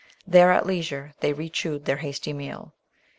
There, at leisure, they re chewed their hasty meal.